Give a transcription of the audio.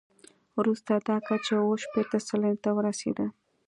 وروسته دا کچه اووه شپېته سلنې ته ورسېده.